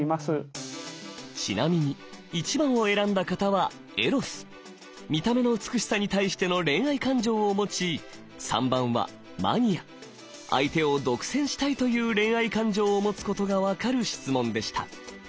ちなみに①番を選んだ方はエロス見た目の美しさに対しての恋愛感情を持ち③番はマニア相手を独占したいという恋愛感情を持つことが分かる質問でした。